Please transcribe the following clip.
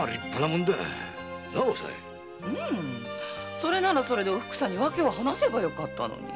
それならそれでおふくさんに訳を話せばよかったのに。